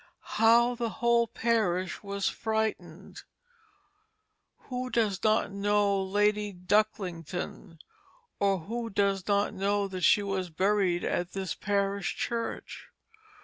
"HOW THE WHOLE PARISH WAS FRIGHTENED "Who does not know Lady Ducklington, or who does not know that she was buried at this parish church?